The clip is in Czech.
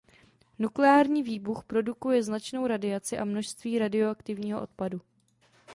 Nukleární výbuch produkuje značnou radiaci a množství radioaktivního odpadu.